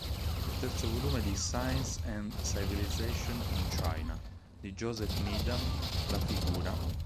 Nel terzo volume di "Science and Civilization in China" di Joseph Needham, la Fig.